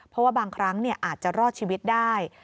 เพราะว่าบางครั้งอาจจะรอดชีวิตได้